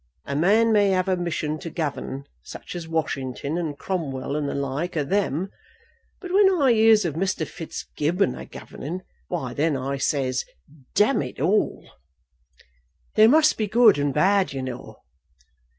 A man may have a mission to govern, such as Washington and Cromwell and the like o' them. But when I hears of Mr. Fitzgibbon a governing, why then I says, d n it all." "There must be good and bad you know."